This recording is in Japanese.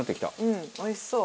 うんおいしそう。